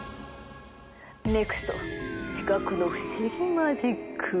ネクスト視覚の不思議マジック！